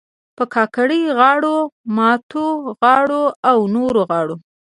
پر کاکړۍ غاړو، ماتو غاړو او نورو غاړو